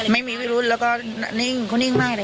ไม่มีวิรุธแล้วก็นิ่งเขานิ่งมากเลย